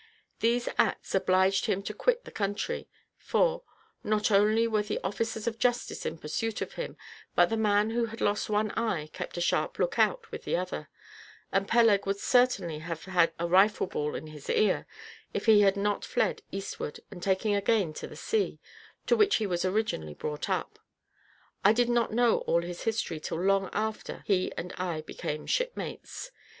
These acts obliged him to quit the country; for, not only were the officers of justice in pursuit of him, but the man who had lost one eye kept a sharp look out with the other, and Peleg would certainly have had a rifle ball in his ear if he had not fled eastward, and taken again to the sea, to which he was originally brought up. I did not know all his history till long after he and I became shipmates.